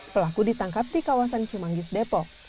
pelaku ditangkap di kawasan cimanggis depok